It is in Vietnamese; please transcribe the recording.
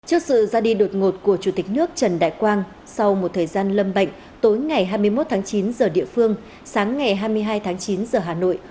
trước sự ra đi đột ngột của chủ tịch nước trần đại quang sau một thời gian lâm bệnh tối ngày hai mươi một tháng chín giờ địa phương sáng ngày hai mươi hai tháng chín giờ hà nội